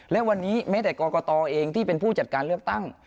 และวันนี้แม้แต่กรกตเองที่เป็นผู้จัดการเลือกตั้ง